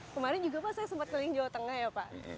kemarin juga pak saya sempat keliling jawa tengah ya pak